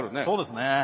そうですね。